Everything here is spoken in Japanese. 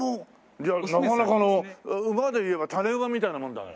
じゃあなかなかの馬でいえば種馬みたいなもんだね。